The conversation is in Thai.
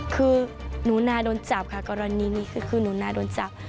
คือหนูนาโดนจับค่ะกรณีนี้คือหนูนาโดนจับ